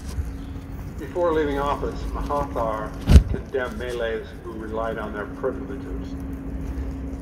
Before leaving office, Mahathir had condemned Malays who relied on their privileges.